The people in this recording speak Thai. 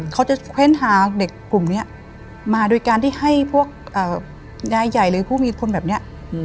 เขาจะเค้นหาเด็กกลุ่มนี้มาโดยการที่ให้พวกยายใหญ่หรือผู้มีทนแบบนี้